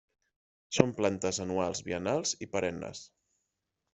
Són plantes anuals, biennals i perennes.